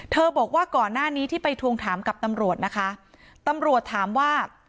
บอกว่าก่อนหน้านี้ที่ไปทวงถามกับตำรวจนะคะตำรวจถามว่า